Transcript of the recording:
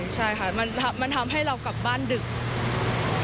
ใช่ค่ะมันทำให้เรากลับบ้านดึก